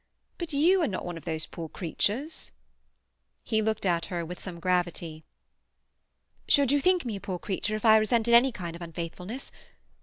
But you are not one of those poor creatures." He looked at her with some gravity. "Should you think me a poor creature if I resented any kind of unfaithfulness?